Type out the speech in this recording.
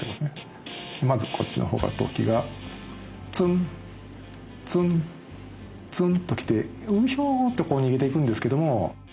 まずこっちの方から突起がツンツンツンと来てウヒョーってこう逃げていくんですけども。